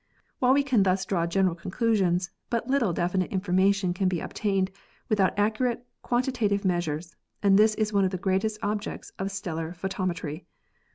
While we can thus draw gen eral conclusions, but little definite information can be obtained without accurate quantitative measures, and this is one of the greatest objects of stellar photometry.